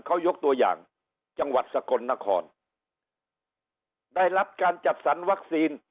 เขายกตัวอย่างจังหวัดสกลนครได้รับการจัดสรรวัคซีน